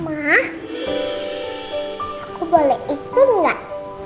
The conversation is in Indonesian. aku boleh ikut gak